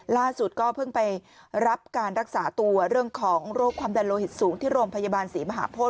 ล่าสุดก็เพิ่งไปรับการรักษาตัวเรื่องของโรคความดันโลหิตสูงที่โรงพยาบาลศรีมหาโพธิ